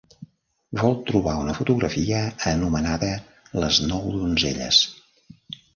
Vol trobar una fotografia anomenada Les nou donzelles.